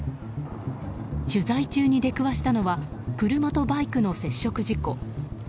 取材中に出くわしたのは車とバイクの接触事故。